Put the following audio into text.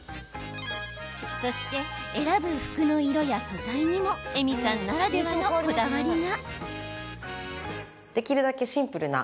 そして選ぶ服の色や素材にもＥｍｉさんならではのこだわりが。